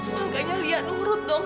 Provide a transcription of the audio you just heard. makanya lia nurut dong